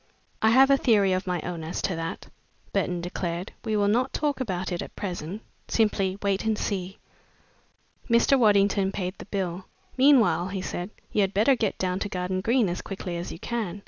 "I have a theory of my own as to that," Burton declared. "We will not talk about it at present simply wait and see." Mr. Waddington paid the bill. "Meanwhile," he said, "you had better get down to Garden Green as quickly as you can.